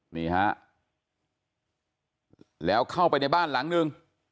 นี่ฮะแล้วเข้าไปในบ้านหลังนึง